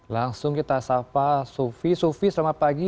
langsung kita sapa sufi sufi selamat pagi